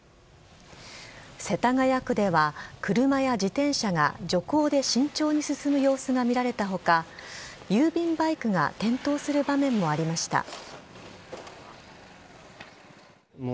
世田谷区では車や自転車が徐行で慎重に進む様子が見られた他郵便バイクが転倒する場面もありました。